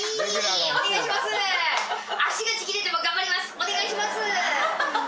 お願いします。